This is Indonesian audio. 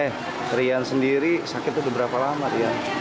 eh rian sendiri sakit tuh berapa lama rian